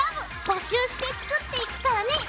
募集して作っていくからね！